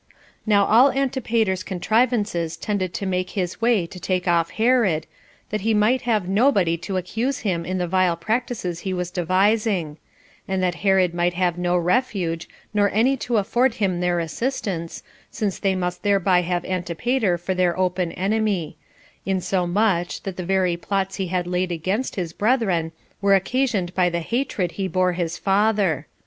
Now all Antipater's contrivances tended to make his way to take off Herod, that he might have nobody to accuse him in the vile practices he was devising: and that Herod might have no refuge, nor any to afford him their assistance, since they must thereby have Antipater for their open enemy; insomuch that the very plots he had laid against his brethren were occasioned by the hatred he bore his father.